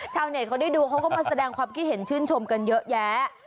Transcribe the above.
ชาวเน็ตเขาได้ดูเขาก็มาแสดงความคิดเห็นชื่นชมกันเยอะแยะ